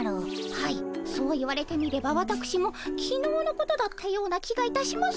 はいそう言われてみればわたくしもきのうのことだったような気がいたします。